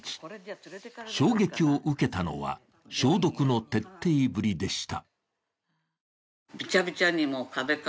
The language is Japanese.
衝撃を受けたのは消毒の徹底ぶりでした。